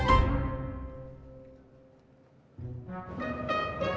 ih gak mau ah